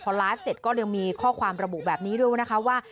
พอไลฟ์เสร็จก็ยังมีข้อความระบุแบบนี้ด้วยนะคะว่า